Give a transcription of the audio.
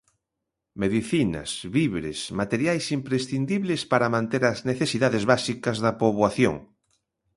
Medicinas, víveres, materiais imprescindibles para manter as necesidades básicas da poboación.